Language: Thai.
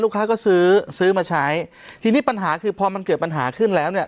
ค้าก็ซื้อซื้อมาใช้ทีนี้ปัญหาคือพอมันเกิดปัญหาขึ้นแล้วเนี่ย